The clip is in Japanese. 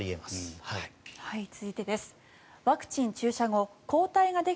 続いてです。